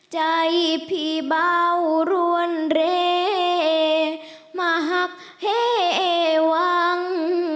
ใจพี่เบารวนเรมาหักเหวัง